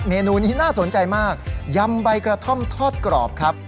เมนูนี้น่าสนใจมากยำใบกระท่อมทอดกรอบครับ